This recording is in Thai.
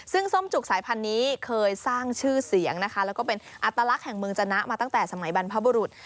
ซึ่งส้มจุกสายพันธุ์นี้เคยสร้างชื่อเสียงนะคะแล้วก็เป็นอัตลักษณ์แห่งเมืองจนะมาตั้งแต่สมัยบรรพบุรุษ